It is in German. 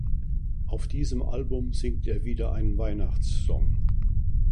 Auf diesem Album singt er wieder einen Weihnachtssong.